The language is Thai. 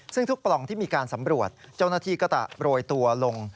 ซึ่งทุกปล่องที่มีการสำรวจเจ้าหน้าที่ก็จะโรยตัวลง